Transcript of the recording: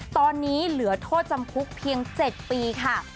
ตอนนี้เหลือโทษจำคุกเพียง๗ปีค่ะ